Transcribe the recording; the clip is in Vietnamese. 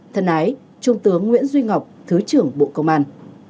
thân ái trung tướng nguyễn duy ngọc thứ trưởng bộ công an